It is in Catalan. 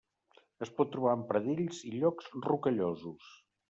Es pot trobar en pradells i llocs rocallosos.